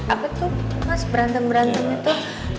apa tuh mas berantem berantemnya tuh